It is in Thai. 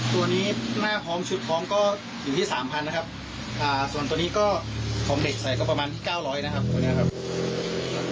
ส่วนตัวนี้ก็ของเด็กใส่ก็ประมาณที่๙๐๐บาทตัวนี้ครับ